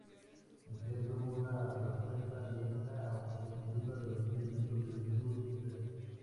La serie obtuvo una respuesta mixta a positiva de los críticos desde su estreno.